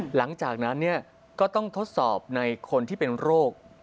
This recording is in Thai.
หลังจากนั้นก็ต้องทดสอบในคนที่เป็นโรค